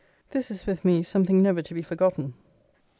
This is, with me, something never to be forgotten.